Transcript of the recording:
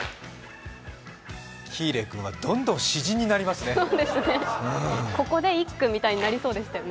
喜入君はどんどん詩人になりますね。